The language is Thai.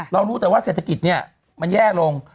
รู้แต่ว่าเศรษฐกิจเนี่ยมันแย่ลง